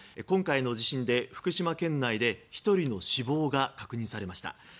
今回の地震で福島県内で１人の死亡が確認されました。